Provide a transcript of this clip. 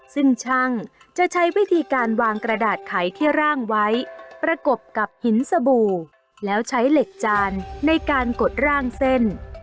ซึ่งช่างจะใช้วิธีการวางกระดาษไขที่ร่างไว้ประกบกับหินสบู่แล้วใช้เหล็กจานในการกดร่างเส้น